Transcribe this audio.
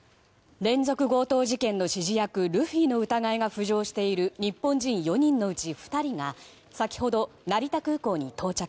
連続強盗事件の指示役ルフィの疑いが浮上している日本人４人のうち２人が先ほど、成田空港に到着。